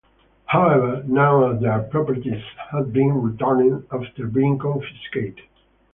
However, none of their properties have been returned after being confiscated.